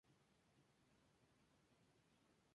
Se dirige a la ciudad de Moscú.